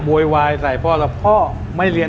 บวยวายใส่พ่อเรียน